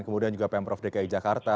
kemudian juga pm prof dki jakarta